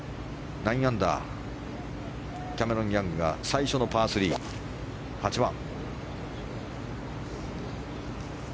９アンダーキャメロン・ヤングは最初のパー３、８番。